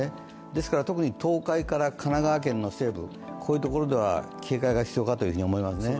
ですから特に東海から神奈川県西部では警戒が必要かと思いますね。